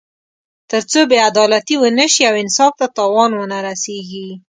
تر څو بې عدالتي ونه شي او انصاف ته تاوان ونه رسېږي.